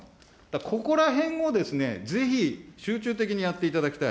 ここらへんをですね、ぜひ集中的にやっていただきたい。